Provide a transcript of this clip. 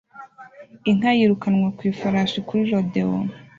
Inka yirukanwa ku ifarashi kuri rodeo